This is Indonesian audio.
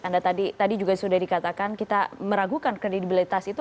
anda tadi juga sudah dikatakan kita meragukan kredibilitas itu